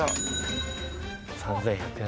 ３，１００円。